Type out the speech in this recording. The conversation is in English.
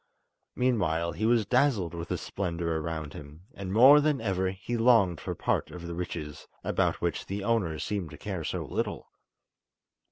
Meanwhile he was dazzled with the splendour around him, and more than ever he longed for part of the riches, about which the owners seemed to care so little.